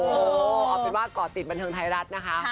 อ๋อภาพย์บ้าเกาะติดบรรเทิงไทยรัฐนะคะ